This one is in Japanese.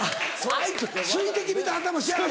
あいつ水滴みたいな頭しやがってね。